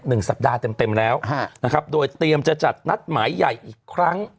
หนึ่งสัปดาห์เต็มเต็มแล้วฮะนะครับโดยเตรียมจะจัดนัดหมายใหญ่อีกครั้ง